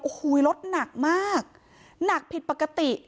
โอ้โหรถหนักมากหนักผิดปกติ